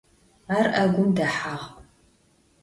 Ar 'egum dehağ.